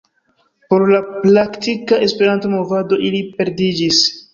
Por la praktika E-movado ili perdiĝis.